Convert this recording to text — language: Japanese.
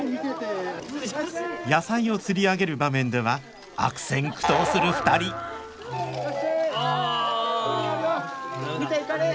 野菜を釣り上げる場面では悪戦苦闘する２人あ駄目だ。